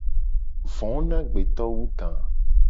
Vo na agbeto wu da.